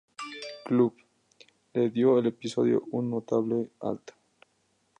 Club" le dio al episodio un Notable alto.